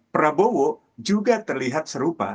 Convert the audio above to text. prabowo juga terlihat serupa